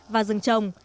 và rừng trồng